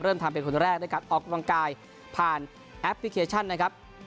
ทำเป็นคนแรกด้วยการออกกำลังกายผ่านแอปพลิเคชันนะครับ